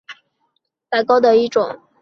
芝麻打糕是打糕的一种。